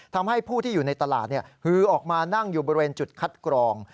ทำให้ผู้ที่อยู่ในตลาดฮือออกมานั่งอยู่บริเวณจุดคัดกรอง